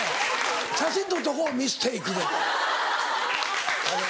写真撮っとこうミステイクで。